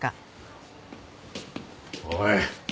おい！